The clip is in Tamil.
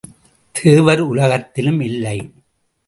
தேவர் உலகத்திலும் இல்லை!